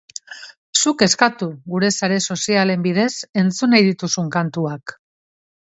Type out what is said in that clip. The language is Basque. Zuk eskatu gure sare sozialen bidez entzun nahi dituzun kantuak!